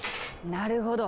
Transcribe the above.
なるほど！